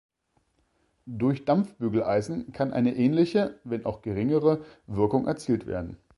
Durch Dampf-Bügeleisen kann eine ähnliche, wenn auch geringere, Wirkung erzielt werden.